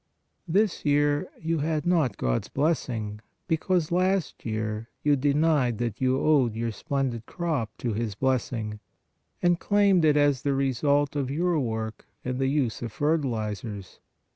This year you had not God s blessing, be cause last year you denied that you owed your splen did crop to His blessing, and claimed it as the result of your work and the use of fertilizers.